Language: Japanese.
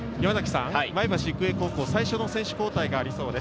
前橋育英高校、最初の選手交代がありそうです。